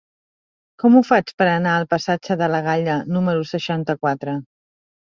Com ho faig per anar al passatge de la Galla número seixanta-quatre?